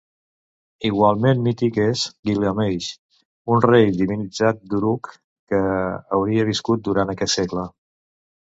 Igualment mític és Guilgameix, un rei divinitzat d'Uruk que hauria viscut durant aquest segle.